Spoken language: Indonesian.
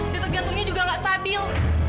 detik gantungnya juga gak stabil